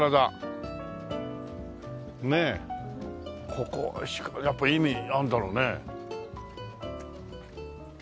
ここやっぱ意味あるんだろうね。